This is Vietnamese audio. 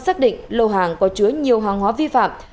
xác định lô hàng có chứa nhiều hàng hóa vi phạm